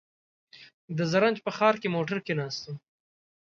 د زرنج په ښار کې موټر کې ناست و.